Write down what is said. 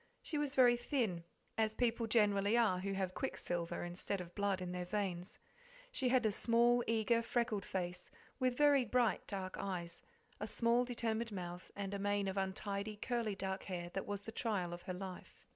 She was very thin, as people generally are who have quicksilver instead of blood in their veins; she had a small, eager, freckled face, with very, bright dark eyes, a small, determined mouth, and a mane of untidy, curly dark hair that was the trial of her life.